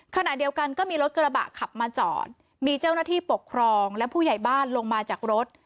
ขณะเดียวกันก็มีรถกระบะขับมาจอดมีเจ้าหน้าที่ปกครองและผู้ใหญ่บ้านลงมาจากรถ